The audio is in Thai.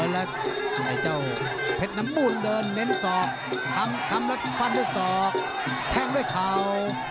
แล้วไอ้เจ้าเพชรน้ำมูลเดินเน้นศอกทำแล้วฟันด้วยศอกแทงด้วยเข่า